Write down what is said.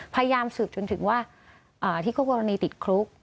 พยายามสืบจนถึงว่าที่คู่กรณีติดคุก